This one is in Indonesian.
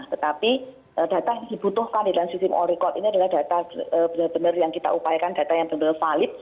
tetapi data yang dibutuhkan di dalam sistem all record ini adalah data benar benar yang kita upayakan data yang benar benar valid